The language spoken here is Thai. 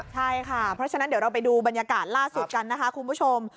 ใช่ค่ะเพราะฉะนั้นเดี๋ยวเราไปดูบรรยากาศล่าสุดกันนะคะคุณผู้ชม